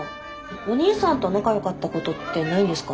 お兄さんと仲良かったことってないんですか？